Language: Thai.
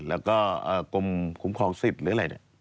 แล้วก็กรมคุ้มครองสิทธิ์หรืออะไร